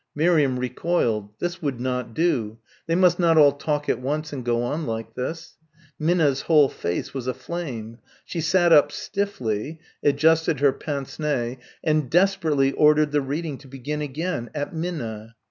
Miriam recoiled. This would not do they must not all talk at once and go on like this. Minna's whole face was aflame. She sat up stiffly adjusted her pince nez and desperately ordered the reading to begin again at Minna.